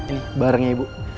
ini bareng ya ibu